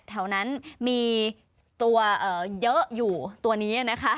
แถวนั้นมีตัวเยอะอยู่ตัวนี้นะคะ